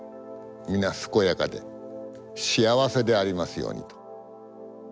みな健やかで幸せでありますように」と。